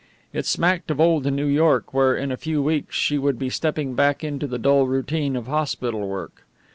It smacked of old New York, where in a few weeks she would be stepping back into the dull routine of hospital work.